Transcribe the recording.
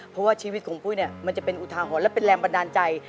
เพราะว่าชีวิตของปุ้ยเนี่ยมันจะเป็นอุทาหรณ์และเป็นแรงบันดาลใจ